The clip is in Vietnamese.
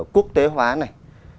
quốc tế hóa này